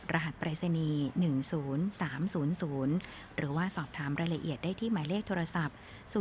รหัสปริศนี๑๐๓๐๐หรือว่าสอบถามรายละเอียดได้ที่หมายเลขโทรศัพท์๐๒๒๘๓๔๒๒๘๙